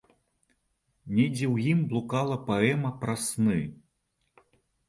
Недзе ў ім блукала паэма пра сны.